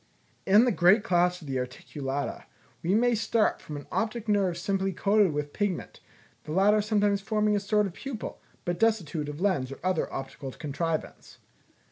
In the great class of the Articulata, we may start from an optic nerve simply coated with pigment, the latter sometimes forming a sort of pupil, but destitute of lens or other optical contrivance.